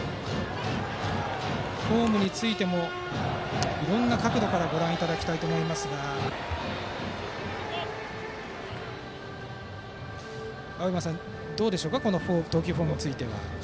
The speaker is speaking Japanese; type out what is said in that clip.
フォームについてもいろいろな角度からご覧いただきたいと思いますが青山さん、どうでしょうかこの投球フォーム。